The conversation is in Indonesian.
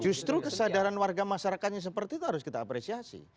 justru kesadaran warga masyarakatnya seperti itu harus kita apresiasi